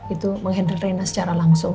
itu menghendri renanya secara langsung